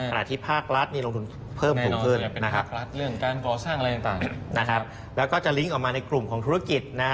ขณะที่ภาครัชนี่ลงทุนเพิ่มถูกขึ้นแล้วก็จะลิงก์ออกมาในกลุ่มของธุรกิจ